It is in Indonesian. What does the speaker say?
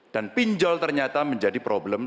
dan pinjol ternyata menjadi problem